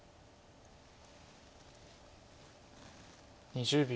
２０秒。